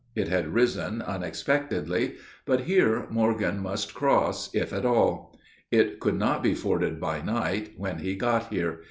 It had risen unexpectedly. But here Morgan must cross, if at all. It could not be forded by night, when he got here.